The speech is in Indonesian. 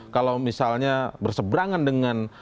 kalau misalnya berseberangan dengan